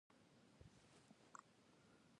زنګېدل به.